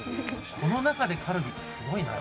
この中でカルビってすごいな。